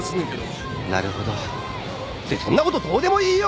なるほどってそんなことどうでもいいよ！